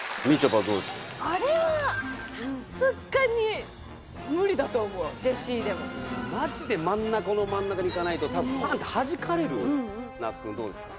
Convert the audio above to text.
あれはさすがに無理だと思うジェシーでもマジで真ん中の真ん中にいかないとたぶんパーンってはじかれる那須くんどうですか？